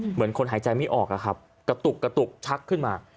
เหมือนคนหายใจไม่ออกอะครับกระตุกกระตุกชักขึ้นมา